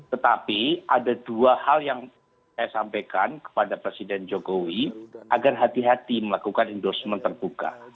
tetapi ada dua hal yang saya sampaikan kepada presiden jokowi agar hati hati melakukan endorsement terbuka